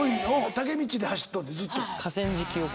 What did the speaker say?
タケミチで走っとんでずっと。